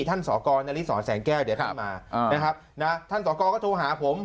ท่านศอกรณริสรแสงแก้วเดี๋ยวเข้ามานะครับท่านศอกรก็โทรหาผม